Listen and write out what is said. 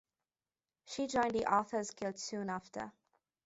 She joined the Authors Guild soon after.